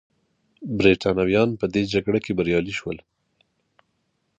برېټانویان په دې جګړه کې بریالي شول.